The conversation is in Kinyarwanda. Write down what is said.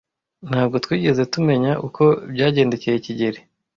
Ntabwo twigeze tumenya uko byagendekeye kigeli.